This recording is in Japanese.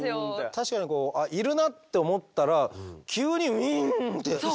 確かにいるなって思ったら急にウィーンって。